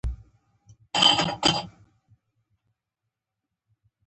د انسان پرمختګ د دوامداره خیال محصول دی.